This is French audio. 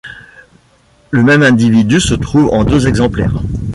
Le même individu se trouve en deux exemplaires.